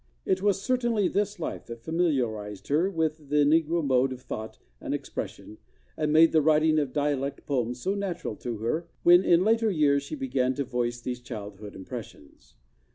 It was certainly this life that familiarized her with the negro mode of thought and expression and made the writing of dialect poems so natural to her when in later years she began to voice these childhood impressions.